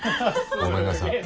ごめんなさい。